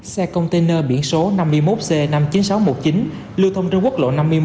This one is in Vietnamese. xe container biển số năm mươi một c năm mươi chín nghìn sáu trăm một mươi chín lưu thông trên quốc lộ năm mươi một